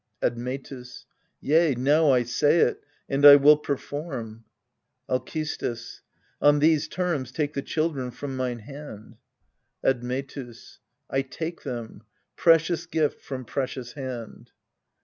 Admetus. Yea, now I say it, and I will perform. Alcestis. On these terms take the children from mine hand. Admetus. I take them precious gift from precious hand.